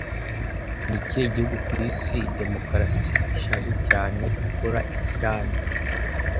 Ni ikihe gihugu ku isi demokarasi ishaje cyane ikora Isilande